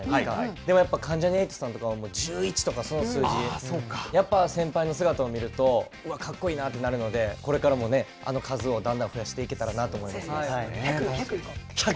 でもやっぱ関ジャニ∞さんとか、１１とかその数字、やっぱ先輩の姿を見ると、うわっ、かっこいいなってなるので、これからもね、あの数をだんだん増やしていけた１００、１００いこう。